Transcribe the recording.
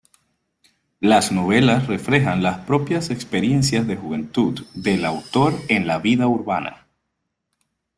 Las novelas reflejan las propias experiencias de juventud del autor en la vida urbana.